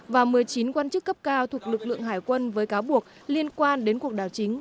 và một mươi chín quan chức cấp cao thuộc lực lượng hải quân với cáo buộc liên quan đến cuộc đảo chính